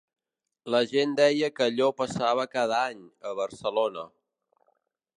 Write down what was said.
La gent deia que allò passava cada any, a Barcelona